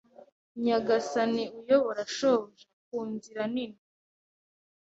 Nyagasani uyobora shobuja ku nzira nini